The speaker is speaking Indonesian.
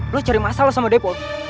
lu cari masalah sama depo